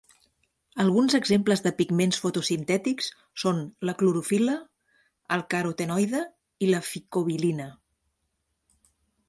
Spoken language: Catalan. Alguns exemples de pigments fotosintètics són la clorofil·la, el carotenoide i la ficobilina.